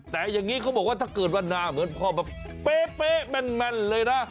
แต่อย่างนี้เขาบอกว่าถ้าเกิดว่าหน้าเหมือนพ่อแบบเป๊ะแม่นเลยนะ